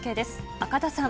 赤田さん。